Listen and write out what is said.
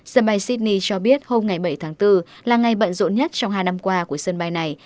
sân bay sydney cho biết hôm bảy tháng bốn là ngày bận rộn nhất trong hai năm qua của sân bay này